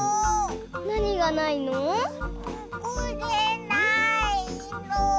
これないの。